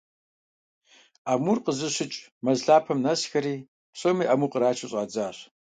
Амур къызыщыкӀ мэз лъапэм нэсхэри, псоми аму кърачу щӀадзащ.